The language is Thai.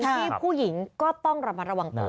ที่ผู้หญิงก็ต้องระวังกว่า